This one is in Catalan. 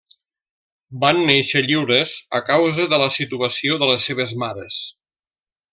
Van néixer lliures a causa de la situació de les seves mares.